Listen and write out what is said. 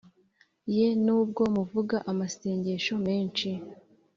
Ye nubwo muvuga amasengesho menshi